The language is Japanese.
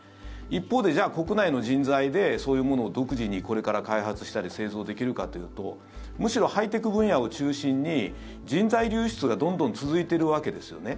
一方で、じゃあ国内の人材でそういうものを独自にこれから開発したり製造できるかというとむしろハイテク分野を中心に人材流出がどんどん続いているわけですよね。